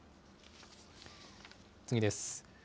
次です。